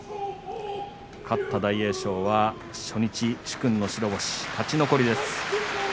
勝った大栄翔は初日殊勲の白星、勝ち残りです。